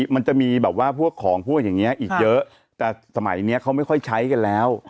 มันจะมีแบบว่าพวกของพวกอย่างนี้อีกเยอะแต่สมัยนี้เขาไม่ค่อยใช้กันแล้ว